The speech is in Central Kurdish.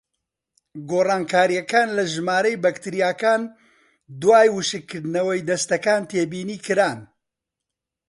گۆڕانکاریەکان لە ژمارەی بەکتریاکان دوای وشکردنەوەی دەستەکان تێبینیکران: